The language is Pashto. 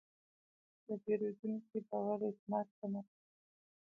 د پیرودونکي باور د اعتماد تمه ده.